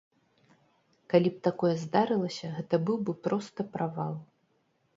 Калі б такое здарылася, гэта быў бы проста правал.